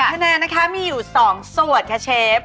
คะแนนนะคะมีอยู่๒ส่วนค่ะเชฟ